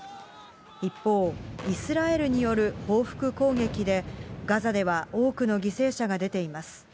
一方、イスラエルによる報復攻撃で、ガザでは多くの犠牲者が出ています。